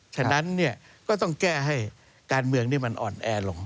ฉะนั้นก็ต้องแก้ให้การเมืองนี้มันอ่อนแอลง